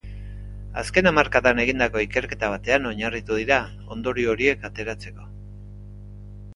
Azken hamarkadan egindako ikerketa batean oinarritu dira ondorio horiek ateratzeko.